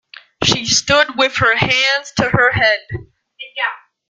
She stood with her hands to her head.